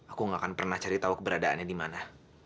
aku gak akan pernah cari tahu keberadaannya di mana